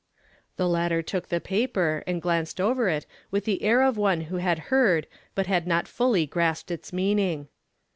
The latter took the paper and glanced over it with the air of one who had heard but had not fully grasped its meaning.